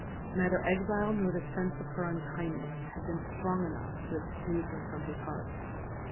Neither exile nor the sense of her unkindness have been strong enough to exclude her from his heart.